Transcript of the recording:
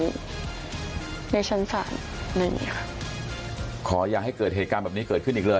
ในชั้นศาลไม่มีค่ะขออย่าให้เกิดเหตุการณ์แบบนี้เกิดขึ้นอีกเลย